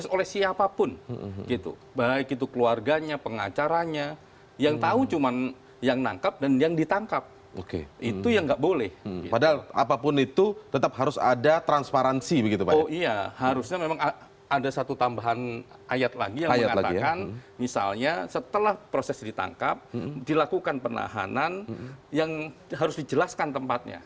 oh iya harusnya memang ada satu tambahan ayat lagi yang mengatakan misalnya setelah proses ditangkap dilakukan penahanan yang harus dijelaskan tempatnya